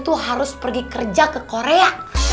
terus pergi kerja ke korea